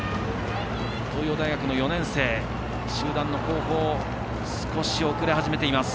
東洋大学の４年生、先頭から少し遅れ始めています。